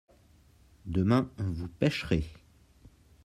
demain vous pêcherez.